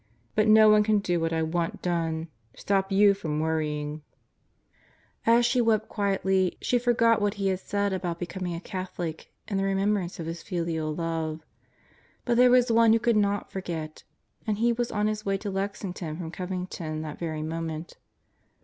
But no one can do what I want done: stop you from worrying! 24 God Goes to Murderers Row As she wept quietly, she forgot what he had said about be coming a Catholic in the remembrance of his filial love. But there was one who could not forget, and he was on his way to Lexington from Covington that very moment.